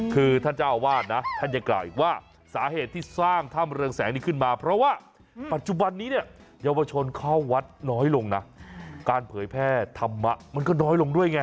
คือท่านเจ้าอาวาสนะท่านยังกล่าวอีกว่าสาเหตุที่สร้างถ้ำเรืองแสงนี้ขึ้นมาเพราะว่าปัจจุบันนี้เนี่ยเยาวชนเข้าวัดน้อยลงนะการเผยแพร่ธรรมะมันก็น้อยลงด้วยไง